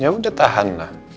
ya udah tahan lah